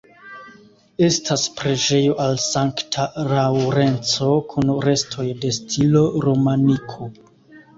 Estas preĝejo al Sankta Laŭrenco kun restoj de stilo romaniko.